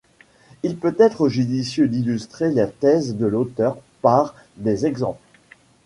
Il peut être judicieux d'illustrer la thèse de l'auteur par des exemples.